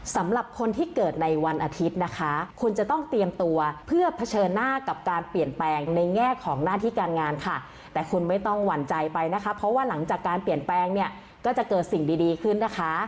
สำหรับคนที่เกิดในวันอาทิตย์นะคะคุณจะต้องเตรียมตัวเพื่อเผชิญหน้ากับการเปลี่ยนแปลงในแง่ของหน้าที่การงานค่ะแต่คุณไม่ต้องหวั่นใจไปนะคะเพราะว่าหลังจากการเปลี่ยนแปลงเนี่ยก็จะเกิดสิ่งดีขึ้นนะคะ